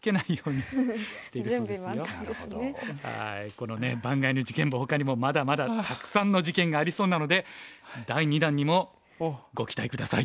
このね盤外の事件簿ほかにもまだまだたくさんの事件がありそうなので第２弾にもご期待下さい。